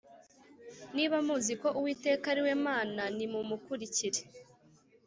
Niba muzi ko Uwiteka ari we Mana nimumukurikire